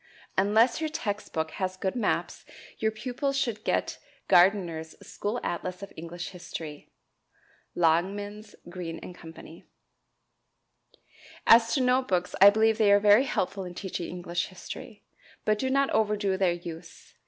Unless your text book has good maps your pupils should get Gardiner's "School Atlas of English History" (Longmans, Green & Co.). As to note books, I believe they are very helpful in teaching English history; but do not overdo their use.